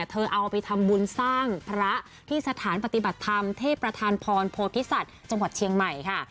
เอาไปทำบุญสร้างพระที่สถานปฏิบัติธรรมเทพประธานพรโพธิสัตว์จังหวัดเชียงใหม่ค่ะ